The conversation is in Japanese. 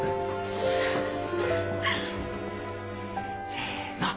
せの。